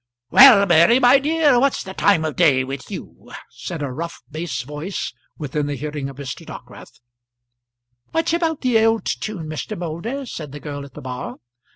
"Well, Mary, my dear, what's the time of day with you?" said a rough, bass voice, within the hearing of Mr. Dockwrath. "Much about the old tune, Mr. Moulder," said the girl at the bar.